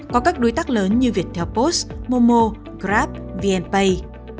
có các đối tác lớn như viettel post momo grab vnpay